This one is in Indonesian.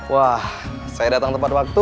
wah saya datang tepat waktu